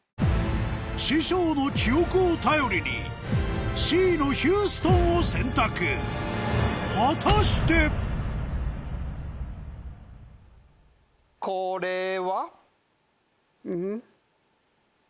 師匠の記憶を頼りにＣのヒューストンを選択果たして⁉これは？ん？